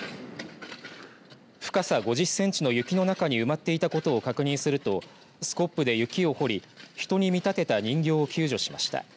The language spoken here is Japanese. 深さ５０センチの雪の中に埋まっていたことを確認するとスコップで雪を堀り人に見立てた人形を救助しました。